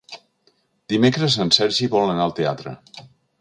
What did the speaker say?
Dimecres en Sergi vol anar al teatre.